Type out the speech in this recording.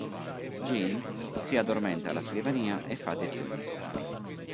Jean si addormenta alla scrivania e fa dei sogni strani.